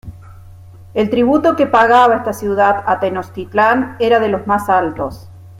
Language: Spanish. El tributo que pagaba esta ciudad a Tenochtitlán era de los más altos.